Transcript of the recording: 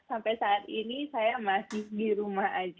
sampai saat ini saya masih di rumah aja